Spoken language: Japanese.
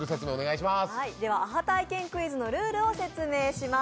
アハ体験クイズのルールを説明します。